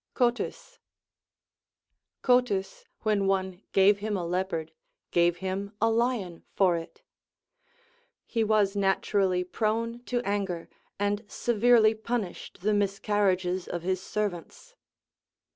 CoTYS. Cotys, when one gave him a leopard, gave him a lion for it. He was naturally prone to anger, and severe ly punished the miscarriages of his servants.